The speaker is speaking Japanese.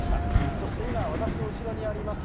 そして今、私の後ろにあります